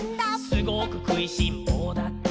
「すごくくいしんぼうだって」